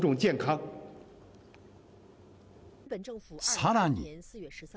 さらに。